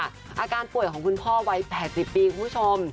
อาการป่วยของคุณพ่อวัย๘๐ปีคุณผู้ชม